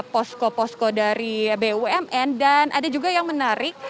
posko posko dari bumn dan ada juga yang menarik